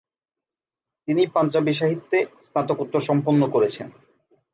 তিনি পাঞ্জাবি সাহিত্যে স্নাতকোত্তর সম্পন্ন করেছেন।